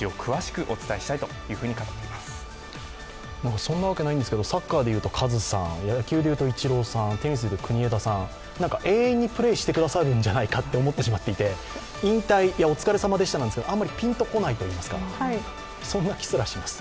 そんなわけないんですけどサッカーでいうとカズさん野球でいうとイチローさん、テニスでいうと国枝さん、永遠にプレーしてくださるんじゃないかと思ってしまっていて引退お疲れさまでしたなんですけどあまりピンとこないといいますか、そんな気すらします。